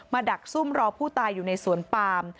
ดักซุ่มรอผู้ตายอยู่ในสวนปาม